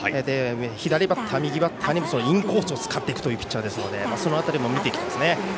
左バッター、右バッターにもインコースを使っていくピッチャーですのでその辺りも見ていきたいですね。